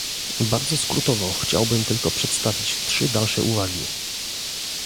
Bardzo skrótowo chciałbym tylko przedstawić trzy dalsze uwagi